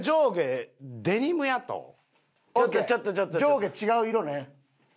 上下違う色ね。